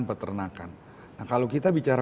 peternakan nah kalau kita bicara